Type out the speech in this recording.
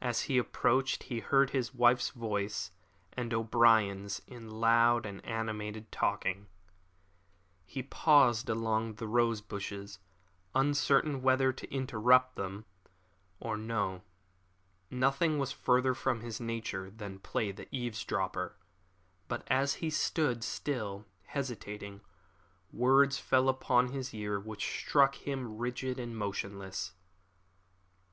As he approached he heard his wife's voice and O'Brien's in loud and animated talk. He paused among the rose bushes, uncertain whether to interrupt them or no. Nothing was further from his nature than play the eavesdropper; but as he stood, still hesitating, words fell upon his ear which struck him rigid and motionless.